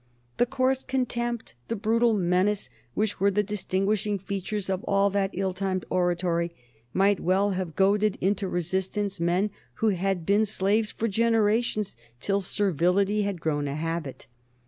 The coarse contempt, the brutal menace which were the distinguishing features of all that ill timed oratory might well have goaded into resistance men who had been slaves for generations till servility had grown a habit.